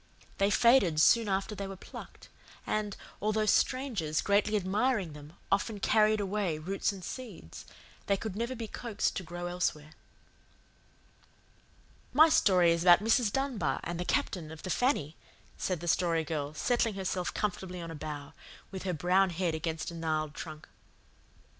They faded soon after they were plucked; and, although strangers, greatly admiring them, often carried away roots and seeds, they could never be coaxed to grow elsewhere. "My story is about Mrs. Dunbar and the Captain of the FANNY," said the Story Girl, settling herself comfortably on a bough, with her brown head against a gnarled trunk.